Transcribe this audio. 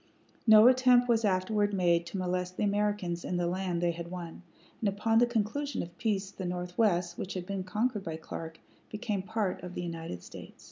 No attempt was afterward made to molest the Americans in the land they had won, and upon the conclusion of peace the Northwest, which had been conquered by Clark, became part of the United States.